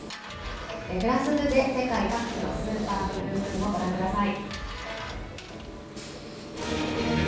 フランス２で世界各地のスーパーブルームーンをご覧ください。